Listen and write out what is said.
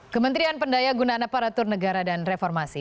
kementerian pendaya gunaan aparatur negara dan reformasi